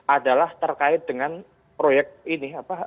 adalah terkait dengan proyek ini